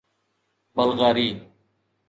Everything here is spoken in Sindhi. بلغاري